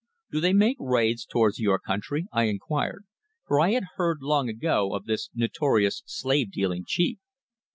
"Do they make raids towards your country?" I inquired, for I had heard long ago of this notorious slave dealing chief.